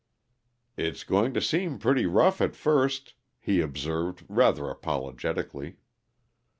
"It's going to seem pretty rough, at first," he observed rather apologetically.